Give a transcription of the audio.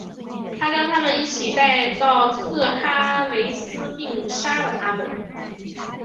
他将他们一起带到特哈雷斯并且杀了他们。